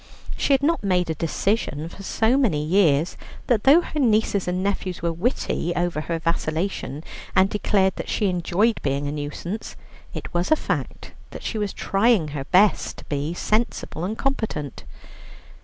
She had not made a decision for so many years that though her nieces and nephews were witty over her vacillation, and declared that she enjoyed being a nuisance, it was a fact that she was trying her best to be sensible and competent.